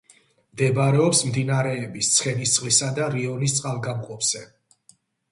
მდებარეობს მდინარეების ცხენისწყლისა და რიონის წყალგამყოფზე.